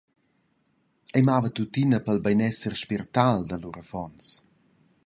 Ei mava tuttina pil beinesser spirtal da lur affons.